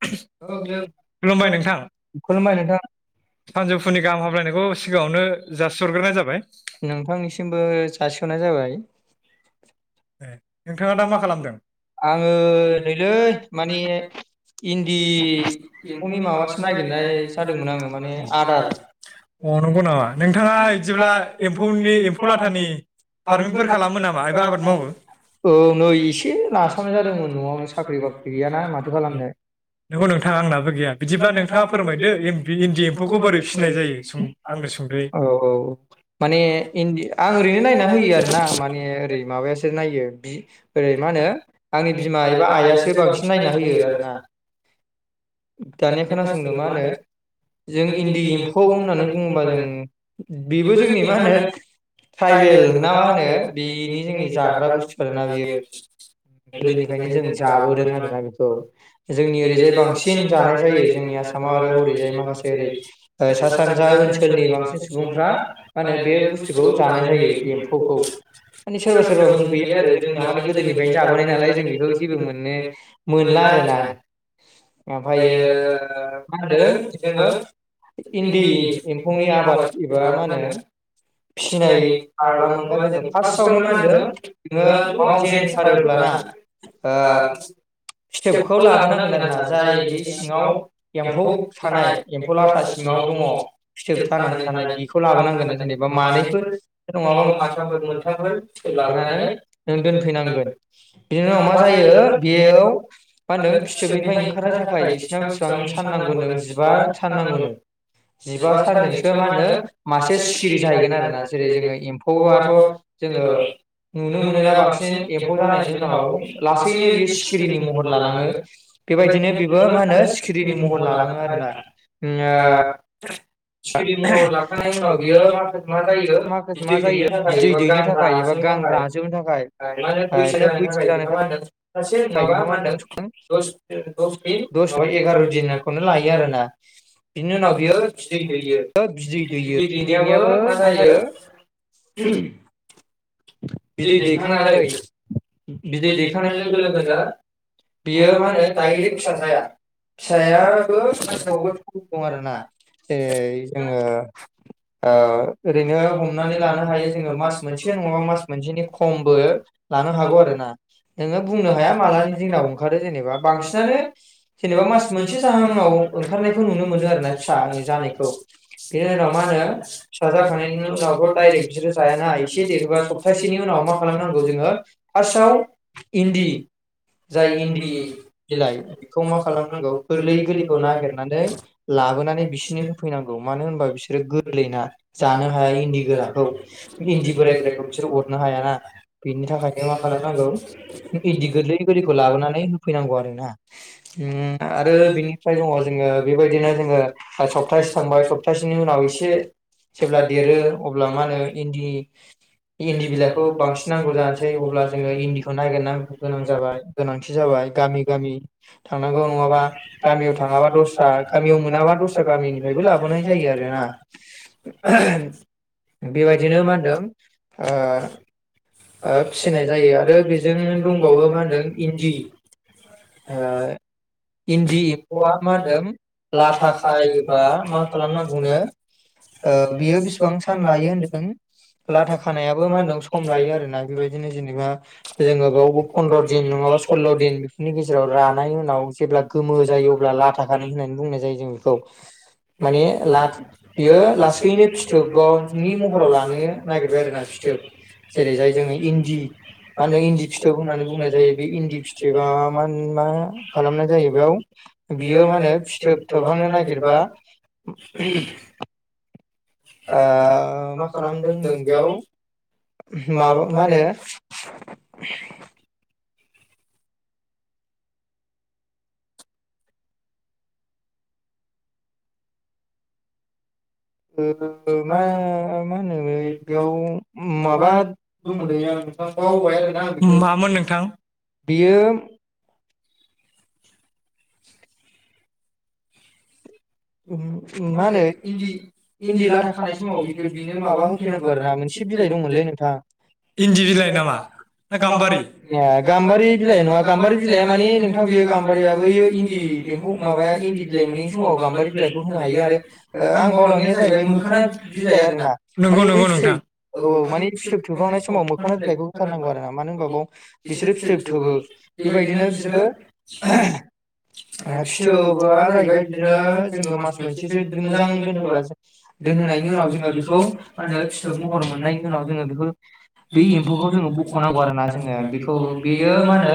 [unintelligible] खुलुमबाय नोंथां खुलुमबाय नोंथां सानजौफुनि गाहाम हामलायनायखौ सिगांङावनो जासिहरग्रोनाय जाबाय । ए नोंथांङा दा मा खालामदों? आंङो नैलै माने इन्दि एमफौनि माबासो नायिरनाय जादोंमोन आंङो माने आदार । अ नंगौ नामा नोंथांङा इदिब्ला एम्फौनि एम्फौ लाथानि फार्मिंफोर खालामो नामा एबा आबाद मावो? औ नै एसे नासावनाय जादोंमोन न'आवनो साख्रि ओं बाख्रि गैयाना माथो खालामनो? औ औ माने आं ओरैनो नायना होयो आर ना माने ओरै माबायासो नायो बि ओरै मा होनो आंनि बिमा एबा आइयासो बांसिन नायना होयो आरोना दानिया खोनासंनो मा होनो जों इन्दि एम्फौ होननानै बुंङोबा जों बेबो जोंनि मा होनो ट्राइबेल ना मा होनो बेनि जोंनि जाग्रा बुस्थु । [unintelligible] गोदोनिफ्रायायनो जों जाबोदों म जोंनि ओरैजाय बांसिन जानाय जायो जोंनि आसामाव आरो ओरैजाय बां ओरै सा सान्जा ओनसोलनि बांसिन सुबुंफ्रा मे बे बुस्थुखौ जानाय जायो एम्फौखौ सोरबा सोरबा मुगैयो आरो माने गोदोनिफ्रायनो जाबोनाय नालाय जों बेखौ जेबो मोननो मोनला आरोना ओमफ्रायो मा होनदों इन्दि एम्फौनि आबाद एबा मा होनो फिनाय खालामोबा जोङो फार्स्टआवनो मा होनदों नोङो न'आव जेन्स फानोब्ला ना ओ फिथोबखौ लाबोनांगोन आरो जोंहा जाय बि सिङाव एम्फौ थानाय एम्फौ लाथा सिङाव दङ फिथोब खानानै थानाय बिखौ लाबोनांगोन नों मानैफोर नङाबा माथामफोर मोनथामफोर फिथोब लाबोनानै नों दोनफैनांगोन बिनि उनाव मा जायो बेयाव मा होन नो फिथोबनिफ्राय ओंखारनो थाखाय बिसिनाव बिसिबां सान नांगौ होनदों जिबा सान नांगौनो जिबा सानजोंसो मा होनो मासे सिखिरि जाहैगोन आरोना जेरै- जोङो एम्फौआथ' जोङो नुनो मोनोना बांसिन एम्फौ जानायनि उनाव लासैनो बियो सिखिरिनि महर लालाङो बेबायदिनो बेबो मा होनो सिखिरिनि महर लालाङो आरोना सिखिरिनि महर लाखांनायनि उनाव बियो माखासे मा जायो बिदै दैनो थाखाय एबा गां राजोब मा होनो बैसो जानो थाखाय बेहा मा होनो सासे माबा मा होनो दस दिन माबा एगार' दिनखौनो लायो आरोना बिनि उनाव बियो बिदै दै बिदै दैयो बिदै दैनायाबो मा जायो बिदै दैखांनानै बिदै दैखांनाय लोगो लोगोनो बियो मा होनो दाइरेक्ट फिसा जाया फिसायाबो [unintelligible] जोङो ओ ओरैनो हमनानै लानो हायो जोङो मास मोनसे नङा मास मोनसेनि खमबो लानो हागौ आरो ना नोङो बुंनो हाया मालानि दिनाव ओंखारो जेनेबा बांसिनानो जेनेबा मास मोनसे जाहांआव ओंखारनायखौ नुनो मोनदों आरोना फिसा जानायखौ। बिनि उनाव मा होनो फिसा जाखांनायनि उनावथ' डायरेक्ट बिसोरो जायाना एसे देरबा सप्तासे बिनि उनाव मा खालामनांगौ जोङो फार्स्टआव इन्दि जाय इन्दि बिलाइ बेखौ मा खालामनांगौ गोरलै गोरलैखौ नागिरनानै लाबोनानै बिसिनो फैनांगौ मानो होनबा बिसोरो गोरलैना जानो हाया इन्दि गोराखौ इन्दि बोराइ बोराइखौ बिसोर बिसोर अरनो हायाना बिनि थाखायनो मा खालामनांगौ इन्दि गोरलै गोरैखौ लाबोनानै होफैनांगौ आरोना ओम आरो बिनिफ्राय दङ जोङो बेबायदिनो जोङो सप्तासे थांबाय सप्तासेनि उनाव एसे जेब्ला देरो अब्ला मा होनो इन्दि बिलाइखौ बांसिन नांगौ जानोसै अब्ला जोङो इन्दिखौ नागिरनांगौ गोनां जाबाय गोनांथि जाबाय गामि गामि थांनांगौ नङाबा गामियाव थाङाबा दस्रा गामियाव मोनाबा दस्रा गामिनि फ्रायबो लाबोनाय जायो आरोना बेबायदिनो मा होनदों ओ ओ फिसिनाय जायो आरो बेजों दंबावो मा होनदों इन्दि ओ इन्दि एम्फौआ मा होनदों लाथा खायोबा मा खालामनांगौनो ओ बियो बेसेबां सान लायो होनदों लाथा खा खानायाबो मा होनदों सम लायो आ रोना बेबायदिनो जेनेबा जोङो बेयावबो फन्द्र' दिन नङाबा सल्ल' दिन बेफोरनि गेजेराव रानाय उनाव जेब्ला गोमो जायो अब्ला लाथा खानाय होननानै बुंनाय जायो जों बेखौ माने लाथ बियो लासैनो फिथोबावनि महराव लानो नागिरबाय आरो ना फिथोब [unintelligible] आ मा खालामदों होनदों बेयाव माबा मा होनो? मामोन नों थां बेयो इन्दि बिलाइ नामा ना गाम्बारि? बिलाइखौ होनो हायो आरो आं ओ बावलांनाया जाहैबाय मोखोना बिलाइ आरो ना माने बै फिथाइ औ माने फिथोब थोबहांनाय समाव मोखोना बिलाइखौ होथारनांगौ आरो ना मानो होनबा बाव बिसोरो फिथोब थोबो बेबायदिनो बिसोरो फिथोबआ जाहैबाय बिदिनो जोङो मास मोनसेसो मोजां दोनहोबा दोनहोनायनि उनाव जोङो बेखौ मा होनो फिथोब महर मोननायनि उनाव जोङो बेखौ बे एम्फौखौ जोङो बख'नांगौ आरो ना जोङो बेखौ बेयो मा होनो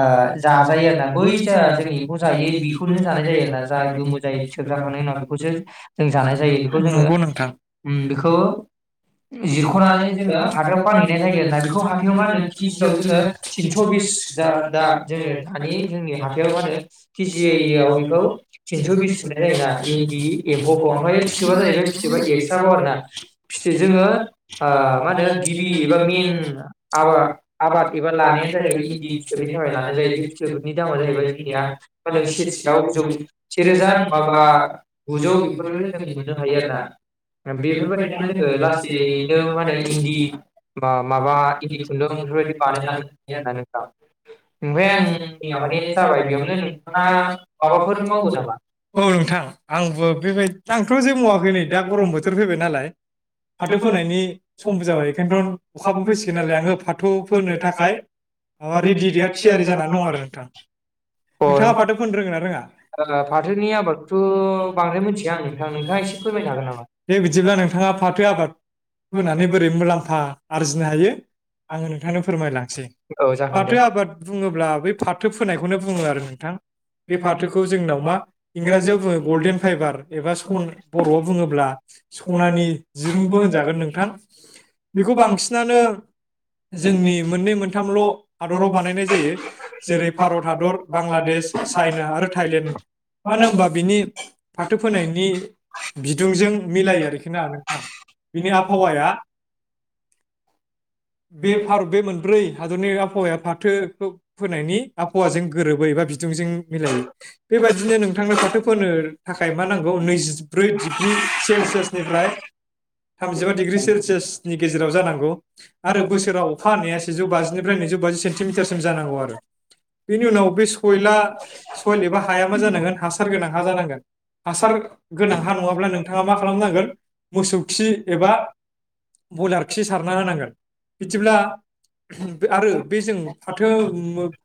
ओ जाजायो आरोना बै जा जों एम्फौ जायो बेखौनो जानाय जायो आरोना जा गोमो जायो । फिथोब जाखांनायनि उनाव बेखौसो जों जानाय जायो बेखौ जोङो ओम बेखौ जिरख'नानै जोङो हाथायाव फानहैनाय जायो आरोना बेखौ हाथायाव मा होनो केजियाव जोङो थिनस' बिस जा दा जोङो दानि जोंनि हाथायाव मा होनो केजियाव बेखौ थिनस' स बिस मोनाय जायोना इन्दि एम्फौखौ ओमफ्राय फिथोबा जाहैबाय फिथोबा एक्स्राबाव आरोना फिथो जोङो मा होनो गिबि एबा मेन आबा आबाद एबा लानायानो जाहैबाय इन्दि फिथोबनि थाखाय लानाय जायो बे फिथोबनि दामा जाहैबाय जोंनिया मा नों सेरसेयाव जौ सेरोजा मागोना गुजौ बेफोर जों मोननो हायो आरोना बेफोरबायदिनो जोङो लासैनो मा होनो इन्दि बा माबा इन्दि खुन्दुं बेफोरबायदि बानायलांनो हायो आरोना नोंथां ओमफ्राय आंना मानि जाबाय बेयावनो नोंथाङा माबाफोर बुंनो नामा? औ नोंथां आंबो बेबाय आंथ' जे मावाखै नै दा गरम बोथोर फैबाय नालाय फाथो फोनायनि समबो जाबाय बेखायनथन अखाबो फैसिगोन नालाय आङो फाथ फोनो थाखाय माबा रेडि रेया थियारि जानानै दं आरो नोंथां नोंथाङा फाथो फोनो रोङोना रोङा? ओलो फाथ बिदिब्ला नोंथाङा फाथो आबाद फोनानै बोरै मुलाम्फा आरजिनो हायो आङो नोंथांनो फोरमायलांसै फाथो आबाद बुङोब्ला बै फाथो फोनायखौनो बुङो आरो नोंथां बे फाथोख जोंनाव इंराजियाव बुङो गल्डेन फाइबार एबा सन बर'आव बुङोब्ला सनानि दिरुंबो होनजागोन नोंथां बेखौ बांसिनानो जोंनि मोननै मोनथामल' हादराव बानायनाय जायो जेरै भारत हादर बांलादेश चाइना आरो थाइलेण्ड मानो होनबा बिनि फाथो फोनायनि बिदुंजों मिलायो आरोखि ना नोंथां बिनि आबहावाया बे फार बे मोनब्रै हादरनि आबहावाया फाथो फो-फोनायनि आबहावाजों गोरोबै एबा बिथ दुंजों मिलायो। बेबायदिनो नोंथांनो फाथो फोनो थाखाय मा नांगौ नैजिब्रै डिग्रि सेलसियासनिफ्राय थामजिबा डिग्रि सेलसियासनि गेजेराव जानांगौ आरो बोसोराव अखा हानाया सेजौ बाजिनिफ्राय नैजौ बाजि सेन्टिमिटारसिम जानांगौ आरो बेनि उनाव बे स फैला सयेल एबा हाया मा जानांगोन हासार गोनां हा जानांगोन हासार गोनां हा नङाब्ला नोंथाङा मा खालामनांगोन मोसौ खि एबा बयलार खि सारना होनांगोन बिदिब्ला आरो बे जों फाथो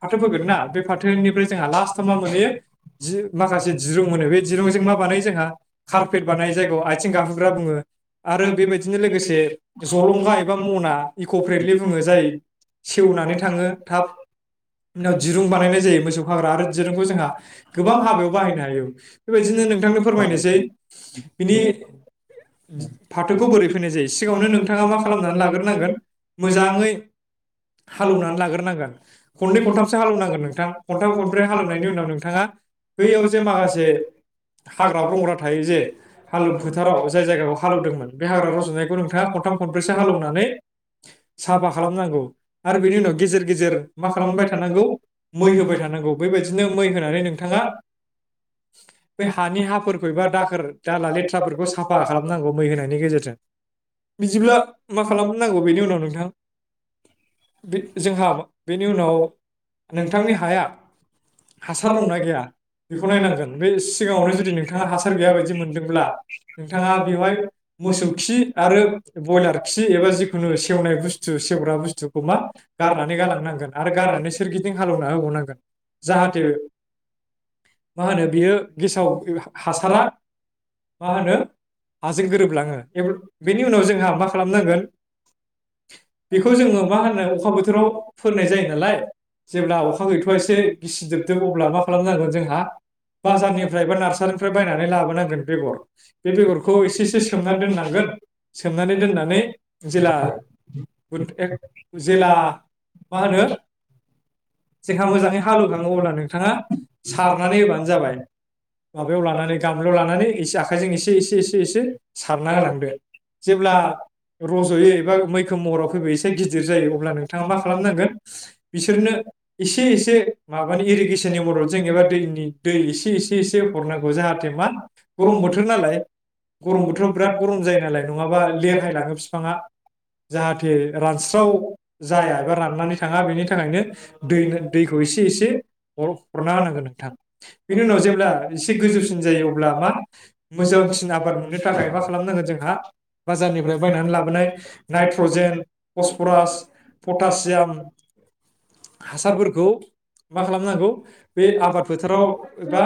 फाथो फोगोन ना बे फाथ थोनिफ्राय जोंहा लास्ट [unintelligible] थ मा मोनहैयो दि माखासे दिरुं मोनो बे दिरुंजों मा बानायो जोंहा कारफेट बानायो जाय आथिं गाहुग्रा बुङो आरो बेबायदिनो लोगोसे जलंगा एबा म'ना इक'प्रेन्टलि बुङो जाय सेवनानै थाङो थाब बेनि उनाव दिरुं बा बानायनाय जायो मोसौ खाग्रा आरो दिरुंखौ जोंहा गोबां हाबायाव बाहायनो हायो। बेबायदिनो नोंथांनो फोरमायनोसै बेनि फाथोखौ बोरै फैनाय जायो सिगाङावनो नोंथाङा मा खालामनानै लाग्रोनागोन मोजाङै हालौनानै लाग्रोनांगोन खननै खनथामसो हालौ नांगोन नोंथां खनथाम खन हालौनायनि उनाव नोंथाङा बैयाव जे माखासे हाग्रा बंग्रा थायो जे हालौ फोथाराव जाय जायगाखौ हालेवदोंमोन बे हाग्रा रज'नायखौ नोंथाङा खनथाम खनब्रैसो हालेवनानै साफा खालामनांगौ आरो बेनि उनाव गेजेर गेजेर मा खालामबाय थानांगौ मै होबाय थानांगौ बैबादिनो मै होनानै नोंथाङा बे हानि हाफोरखौ एबा दाखोर दाला लेथ्राफोरखौ साफा खालामनांगौ मै होनायनि गेजेरजों बिदिब्ला मा खालामनांगौ बेनि उनाव नोंथां? जोंहा बेनि उनाव नोंथांनि हाया हासार दंना गैया बेखौ नायनांगोन बे सिगाङावनो जुदि नोंथाङा हासार गैया बायदि मोनदोंब्ला नोंथाङा बेवहाय मोसौ खि आरो ब्रयलार खि एबा जिखुनु सेवनाय बुस्थु सेवग्रा बुस्थु गारनानै गालांनांगोन आरो गारनानै सोरगिदिं हालेवना होबावनांगोन जाहाथो मा होनो बियो गेसाव हासारा मा होनो हाजों गोरोबलाङो बेनि उनाव जोंहा मा खालामनांगोन बेखौ जोङो मा होनो अखा बोथोराव फोनाय जायो नालाय जेब्ला अखा गैथ'वा एसे सिदोब दोब अब्ला मा खालामनांगोन जोंहा बाजारनिफ्राय बा नार्सारिनिफ्राय बायनानै लाबोन नांगोन बेगर बे बेगरखौ एसे एसो सोमनानै दोननांगोन सोमनानै दोननानै [unintelligible] हालौखाङो अब्ला नोंथाङा सारनानै होबानो जाबाय माबायाव लानानै गामलयाव लानानै एसे आखाइजों एसे एसे एसे एसे सारना होलांदो जेब्ला रज'यो एबा मैखोम महराव फैबाय एसे गिदिर जायो अब्ला नोंथाङा मा खालामनांगोन बिसोरनो एसे एसे माबानि इरिगेसननि मदद जों दैनि दै एसे एसे एसे हरनांगौ जाहाथे मा गरम बोथोर नालाय गरम बोथोराव बिराद गरम जायो नालाय नङाबा लेरहायलाङो फिफाङा जाहाथे रानस्राव जाया एबा राननानै थाङा बेनि थाखायनो दै दैखौ एसे एसे हर हरना होनांगोन नोंथां बेनि उनाव जेब्ला एसे गोजौसिन जायो अब्ला मा मोजांसिन आबाद मोननो थाखाय मा खालामनांगोन जोंहा बाजारनिफ्राय बायनानै लाबोनाय नाइट्रजेन फसफरास पटासियाम हासारफोरखौ मा खालामनांगौ बे आबाद फोथाराव दा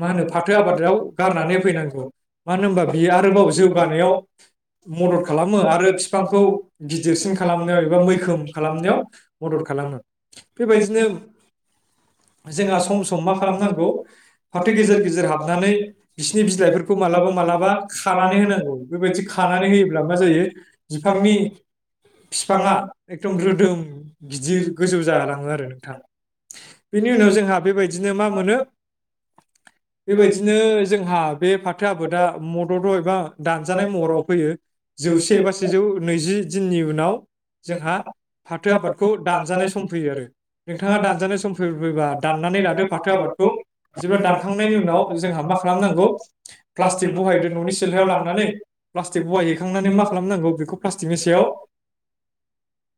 मा होनो फाथो आबादाव गारनानै होफैनांगौ। मानो होनबा बेयो आरोबाव जौगानायाव मदद खालामो आरो बिफांखौ गिदिरसिन खालामनायाव एबा मैखोम खालामनायाव मदद खालामो। बेबायदिनो जोंहा सम सम मा खालामनांगौ फाथो गेजेर गेजेर हाबनानै बिसिनि बिलाइफोरखौ मालाबा मालाबा खानानै होनांगौ। बेबायदि खानानै होयोब्ला मा जायो बिफांनि फिफाङा एकदम रोदोम गिदिर गोजौ जालाङो आरो नोंथां। बेनि उनाव जोंहा बेबायदिनो मा मोनो बेबायदिनो जोंहा बे फाथो आबादा मद'द एबा दानजानाय महराव फैयो। जौसे बा सेजौ नैजि दिननि उनाव जोंहा फाथो आबादखौ दानजानाय सम फैयो आरो। नोंथाङा दानजानाय सम फोग्रोयोबा दाननानै लादो फाथो आबादखौ। जेब्ला दानखांनायनि उनाव जोंहा मा खालामनांगौ प्लास्टिक बहायदो न'नि सिल्लायाव लांनानै प्लास्टिक बहायहैखांनानै मा खालामनांगौ बेखौ प्लासटिकनि सायाव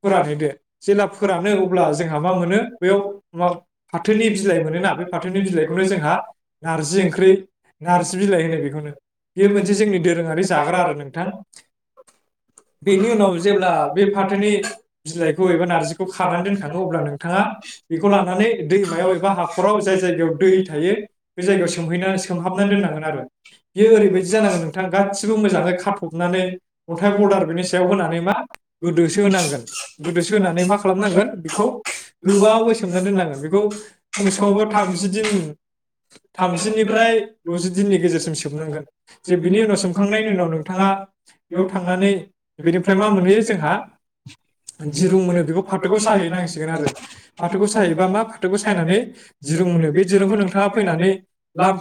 फोरानहैदो। जेल्बा फोरानो अ अब्ला जोंहा मा मोनो बेयाव मा फाथोनि बिलाइ मोनोना बे फाथोनि बिलाइखौनो जोंहा नारजि ओंख्रि नार्जि बिलाइ होनो बेखौनो बेयो मोनसे जोंनि दोरोङारि जाग्रा आरो नोंथां। बेनि उनाव जेब्ला बे फाथोनि बिलाइखौ एबा नारजिखौ खानानै दोन खाङो अल्बा नोथाङा बेखौ लानानै दैमायाव एबा हाखराव जाय जायगायाव दै थायो बे जायगायाव सोमहैनानै सोमहाबनानै दोननांगोन आरो बेयो ओरैबायदि जानांगोन नोंथां गासिबो मोजाङै खाथबनानै अन्थाय बलदार नि सायाव होनानै मा गोदोसो होनांगोन गोदोसो होनानै मा खालामनांगो बेखौ गोबावै सोमना दोननांगोन। बेखौ खमसेखमबाबो सममावथामजि दिन थामजिनिफ्राय द'जि दिननि गेजेरसिम सोमनांगोन जे बिनि उनाव सोमखांनायनि उनाव नोंथाङा बेयाव थांनानै बेनिफ्राय मा मोनहैयो जोंहा दिरुं मोनो बेखौ फाथोखौ सो खाहै नांसिगोन आरो फाथोखौ सायहैबा मा फाथोखौ सायनानै दिरूं मोनो। बे दिरूंखौ नोंथाङा फैनानै लामा